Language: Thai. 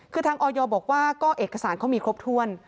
คือทางออยบอกว่าก็เอกสารเขามีครบถ้วน